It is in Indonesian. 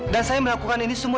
saya melakukan ini semua